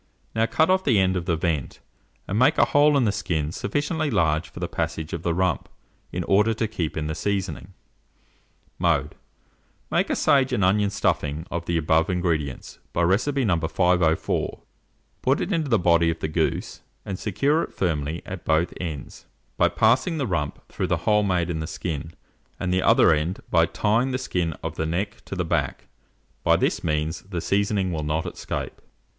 Now cut off the end of the vent, and make a hole in the skin sufficiently large for the passage of the rump, in order to keep in the seasoning. [Illustration: ROAST GOOSE.] Mode. Make a sage and onion stuffing of the above ingredients, by recipe No. 504; put it into the body of the goose, and secure it firmly at both ends, by passing the rump through the hole made in the skin, and the other end by tying the skin of the neck to the back; by this means the seasoning will not escape.